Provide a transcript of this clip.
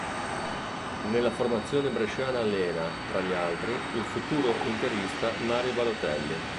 Nella formazione bresciana allena, tra gli altri, il futuro interista Mario Balotelli.